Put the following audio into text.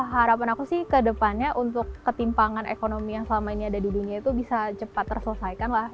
harapan aku sih ke depannya untuk ketimpangan ekonomi yang selama ini ada di dunia itu bisa cepat terselesaikan lah